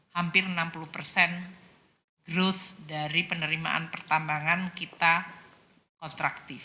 hampir enam puluh persen roads dari penerimaan pertambangan kita kontraktif